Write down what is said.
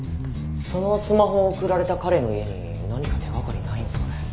そのスマホを送られた彼の家に何か手掛かりないんですかね。